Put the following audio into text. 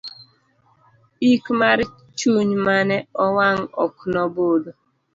ik mar chuny mane owang' ok nobudho